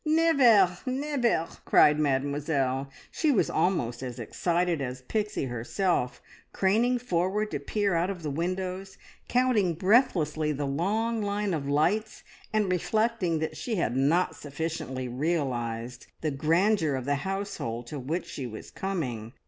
"Never, never!" cried Mademoiselle. She was almost as excited as Pixie herself, craning forward to peer out of the windows, counting breathlessly the long line of lights, and reflecting that she had not sufficiently realised the grandeur of the household, to which she was coming.